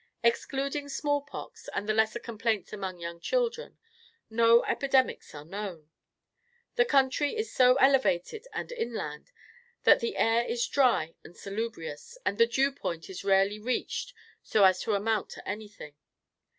Excluding small pox, and the lesser complaints among young children, no epidemics are known. The country is so elevated and inland, that the air is dry and salubrious, and the "dew point" is rarely reached so as to amount to anything.